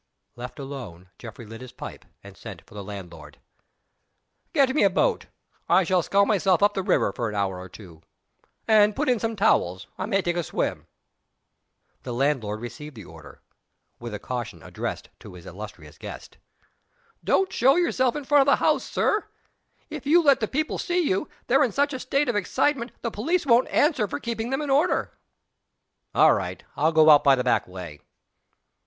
Left alone, Geoffrey lit his pipe and sent for the landlord. "Get me a boat. I shall scull myself up the river for an hour or two. And put in some towels. I may take a swim." The landlord received the order with a caution addressed to his illustrious guest. "Don't show yourself in front of the house, Sir! If you let the people see you, they're in such a state of excitement, the police won't answer for keeping them in order." "All right. I'll go out by the back way."